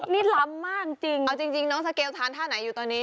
นี่ล้ำมากจริงเอาจริงน้องสเกลทานท่าไหนอยู่ตอนนี้